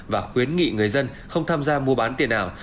và khuyến nghị người dân không tham gia mua bán tiền ảo